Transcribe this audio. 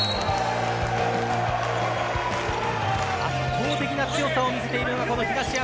圧倒的な強さを見せているのはこの東山。